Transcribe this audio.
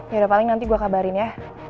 yaudah paling nanti gue kabarin ya